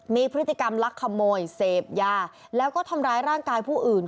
มีพฤติกรรมลักขโมยเสพยาแล้วก็ทำร้ายร่างกายผู้อื่น